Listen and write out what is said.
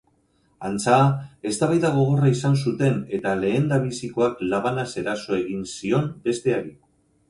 Antza, eztabaida gogorra izan zuten eta lehendabizikoak labanaz eraso egin zion besteari.